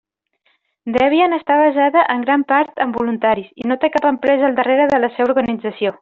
Debian està basada, en gran part, en voluntaris, i no té cap empresa al darrere de la seva organització.